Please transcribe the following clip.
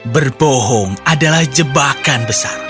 berbohong adalah jebakan besar